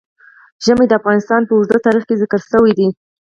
ژمی د افغانستان په اوږده تاریخ کې ذکر شوی دی.